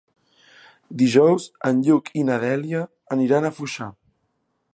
Dijous en Lluc i na Dèlia aniran a Foixà.